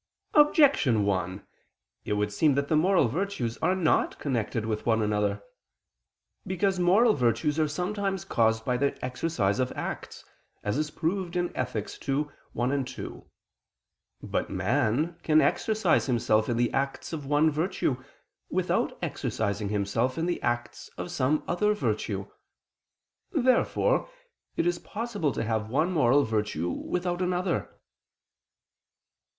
Objection 1: It would seem that the moral virtues are not connected with one another. Because moral virtues are sometimes caused by the exercise of acts, as is proved in Ethic. ii, 1, 2. But man can exercise himself in the acts of one virtue, without exercising himself in the acts of some other virtue. Therefore it is possible to have one moral virtue without another.